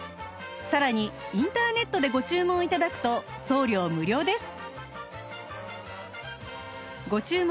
さらにインターネットでご注文頂くと送料無料です